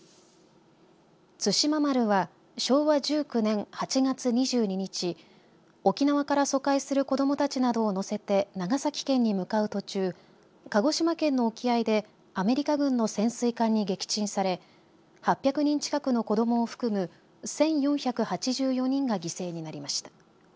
対馬丸は昭和１９年８月２２日、沖縄から疎開する子どもたちなどを乗せて長崎県に向かう途中、鹿児島県の沖合でアメリカ軍の潜水艦に撃沈され８００人近くの子どもを含む１４８４人が犠牲になりました。